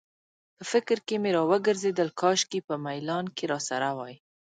په فکر کې مې راوګرځېدل، کاشکې په میلان کې راسره وای.